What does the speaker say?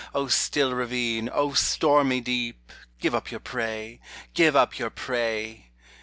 O still ravine ! O stormy deep ! Give up your prey ! Give up your prey